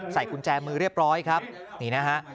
ใส่กุญแจมือเรียบร้อยครับนี่นะฮะ